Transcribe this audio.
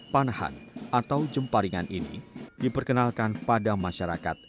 panahan atau jemparingan ini diperkenalkan pada masyarakat